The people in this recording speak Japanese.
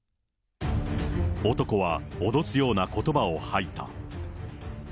男は脅すようなことばを吐いた。